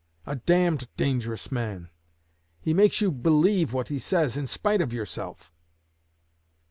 A d d dangerous man! He makes you believe what he says, in spite of yourself!'